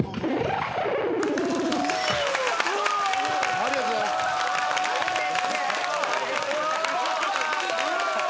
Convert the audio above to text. ありがとうございます。